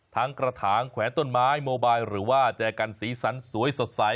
กระถางแขวนต้นไม้โมบายหรือว่าแจกันสีสันสวยสดใส